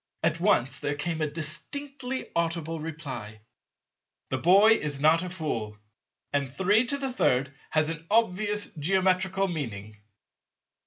At once there came a distinctly audible reply, "The boy is not a fool; and 33 has an obvious Geometrical meaning."